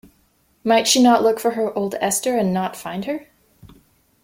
Might she not look for her old Esther and not find her?